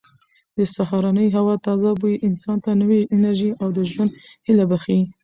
د سهارنۍ هوا تازه بوی انسان ته نوې انرژي او د ژوند هیله بښي.